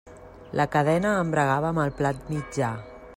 La cadena embragava amb el plat mitjà.